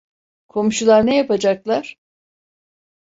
Komşular ne yapacaklar!